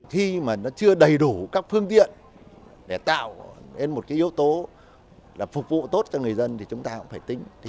khi mà nó chưa đầy đủ các phương tiện để tạo nên một yếu tố phục vụ tốt cho người dân thì chúng ta cũng phải tính